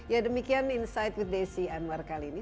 ya demikian insight with desi anwar kali ini